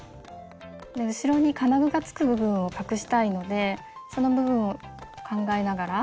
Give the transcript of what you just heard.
後ろに金具がつく部分を隠したいのでその部分を考えながら。